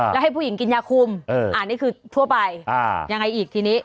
แล้วให้ผู้หญิงกินยาคุมอันนี้คือทั่วไปยังไงอีกทีนี้